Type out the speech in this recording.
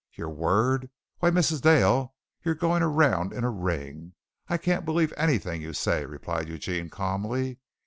"Your word. Why, Mrs. Dale, you're going around in a ring! I can't believe anything you say," replied Eugene calmly.